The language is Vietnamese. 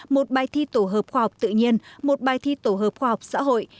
một bài thi tổ hợp khoa học tự nhiên một bài thi tổ hợp khoa học xã hội